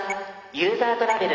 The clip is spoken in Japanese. ユーザートラベル